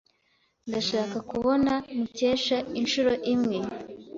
Ndashaka kubona Mukesha inshuro imwe.